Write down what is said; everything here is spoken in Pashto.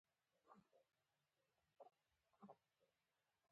کروندګر د ژوند هره لحظه په کار تېروي